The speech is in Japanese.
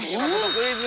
クイズ！